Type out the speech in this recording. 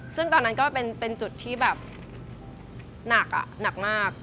ซึ่งตอนนั้นก็เป็นจุดที่แบบหนักมาก